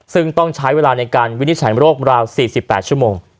ซึ่งต้องใช้เวลาในการวินิจฉัยโรคราว๔๘ชั่วโมง